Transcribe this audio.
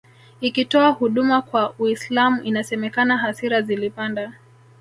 ikitoa huduma kwa Uislam inasemekana hasira zilipanda